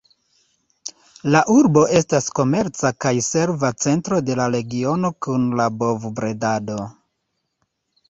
La urbo estas komerca kaj serva centro de la regiono kun la bov-bredado.